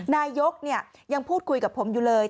นายกยังพูดคุยกับผมอยู่เลย